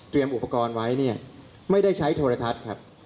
เตรียมอุปกรณ์ไว้ไม่ได้ใช้โทรทัศน์ครับ